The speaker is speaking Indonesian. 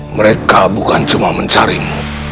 mereka bukan cuma mencarimu